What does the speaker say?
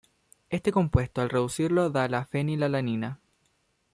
Este compuesto al reducirlo da la fenilalanina.